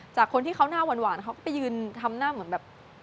จากคนที่เขาหน้าหวานเขาก็ไปยืนทำหน้าเหมือนแบบ